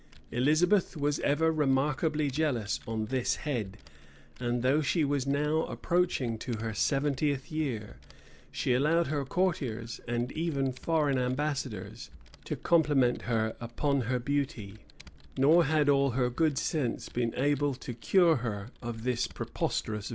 Elizabeth was ever remarkably jealous on this head; and though she was now approaching to her seventieth year, she allowed her courtiers,[] and even foreign ambassadors,[] to compliment her upon her beauty; nor had all her good sense been able to cure her of this preposterous vanity.